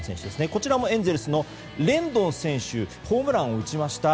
こちらもエンゼルスのレンドン選手ホームランを打ちました。